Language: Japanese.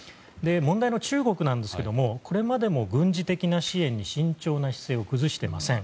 問題の中国ですがこれまでも、軍事的な支援に慎重な姿勢を崩していません。